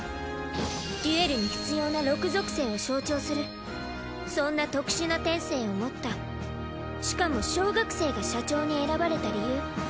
デュエルに必要な６属性を象徴するそんな特殊な天性を持ったしかも小学生が社長に選ばれた理由。